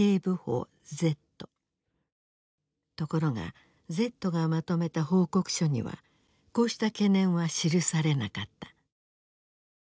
ところがＺがまとめた報告書にはこうした懸念は記されなかった。